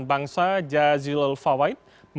bangsa jazilul fawait